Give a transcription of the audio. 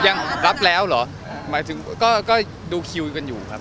ยังรับแล้วเหรอหมายถึงก็ก็ดูคิวกันอยู่ครับ